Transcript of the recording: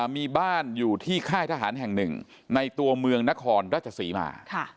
มีบ้านอยู่ที่ค่ายทหารแห่งหนึ่งในตัวเมืองนครราชศรีมา